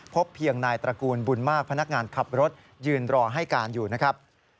พบเพียงนายตระกูลบุญมากพนักงานขับรถยืนรอให้การอยู่นะครับ